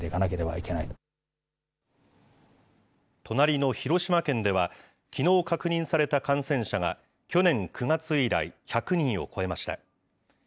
隣の広島県では、きのう確認された感染者が去年９月以来、１００人を超えました。